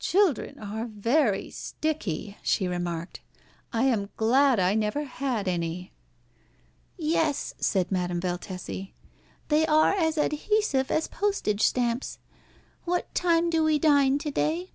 "Children are very sticky," she remarked. "I am glad I never had any." "Yes," said Madame Valtesi; "they are as adhesive as postage stamps. What time do we dine to day?"